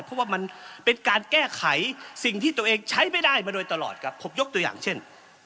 เพราะว่ามันเป็นการแก้ไขสิ่งที่ตัวเองใช้ไม่ได้มาโดยตลอดครับผมยกตัวอย่างเช่น